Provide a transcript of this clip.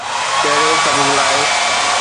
ڪهڙي سبب لاءِ؟